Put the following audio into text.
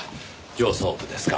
上層部ですか？